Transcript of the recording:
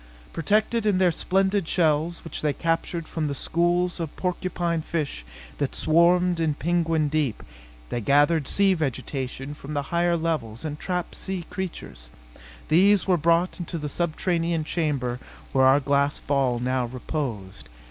Protected in their spined shells, which they captured from the schools of porcupine fish that swarmed in Penguin Deep, they gathered sea vegetation from the higher levels and trapped sea creatures. These were brought into the subterranean chamber where our glass ball now reposed.